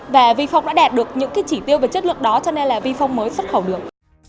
và vifong đã đạt được những chỉ tiêu về chất lượng đó cho nên là vifong mới xuất khẩu được